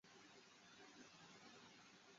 藩厅是尼崎城。